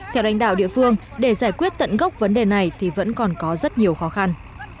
theo đánh đạo địa phương để giải quyết tận gốc vấn đề này thì vẫn còn có rất nhiều khó khăn